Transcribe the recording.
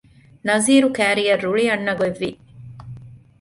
ނަޒީރު ކައިރިއަށް ރުޅި އަންނަ ގޮތް ވި